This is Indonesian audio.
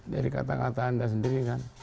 dari kata kata anda sendiri kan